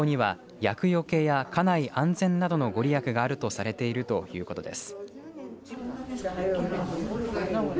犬の子には厄よけや家内安全などの御利益があるとされているということです。